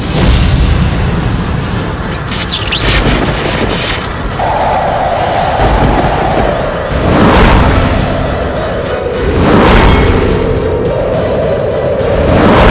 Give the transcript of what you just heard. semoga allah selalu melindungi kita